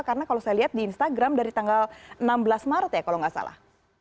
karena kalau saya lihat di instagram dari tanggal enam belas maret ya kalau nggak salah